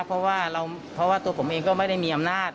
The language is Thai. เพราะว่าตัวผมเองก็ไม่ได้มีอำนาจ